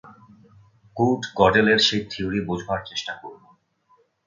Kurt গডেল-এর সেই theory বোঝবার চেষ্টা করব।